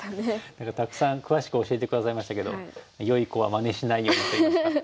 何かたくさん詳しく教えて下さいましたけどよい子はまねしないようにといいますか。